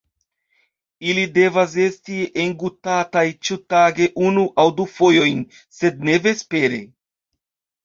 Ili devas esti engutataj ĉiutage unu aŭ du fojojn, sed ne vespere.